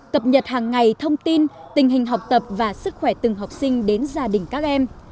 cập nhật hàng ngày thông tin tình hình học tập và sức khỏe từng học sinh đến gia đình các em